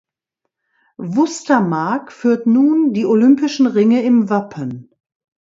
Wustermark führt nun die olympischen Ringe im Wappen.